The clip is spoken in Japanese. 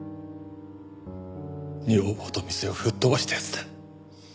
女房と店を吹っ飛ばした奴だ。